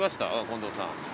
近藤さん。